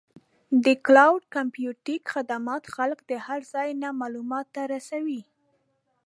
د کلاؤډ کمپیوټینګ خدمات خلک د هر ځای نه معلوماتو ته رسوي.